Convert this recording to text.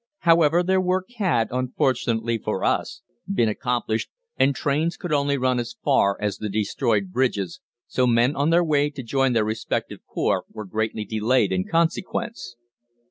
However, their work had, unfortunately for us, been accomplished, and trains could only run as far as the destroyed bridges, so men on their way to join their respective corps were greatly delayed in consequence.